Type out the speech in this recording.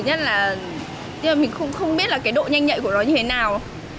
thứ nhất là mình không biết độ nhanh nhạy của nó như thế nào